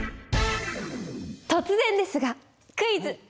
突然ですがクイズ！